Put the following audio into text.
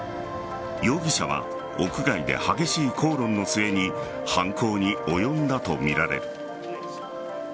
容疑者は屋外で激しい口論の末に犯行に及んだとみられる。